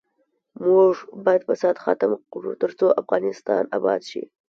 موږ باید فساد ختم کړو ، ترڅو افغانستان اباد شي.